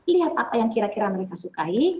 lihat apa yang kira kira mereka sukai